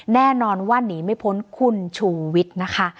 แน่นอนว่าหนีไม่พ้นคุณชูวิทย์นะคะ